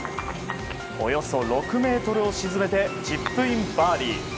およそ６ｍを沈めてチップインバーディー。